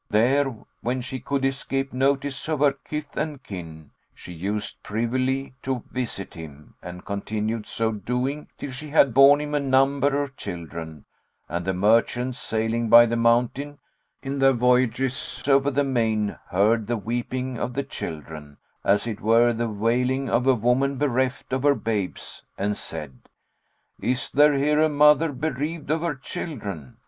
There, when she could escape notice of her kith and kin, she used privily to visit him, and continued so doing till she had borne him a number of children; and the merchants, sailing by the mountain, in their voyages over the main, heard the weeping of the children, as it were the wailing of a woman bereft of her babes, and said, 'Is there here a mother bereaved of her children?'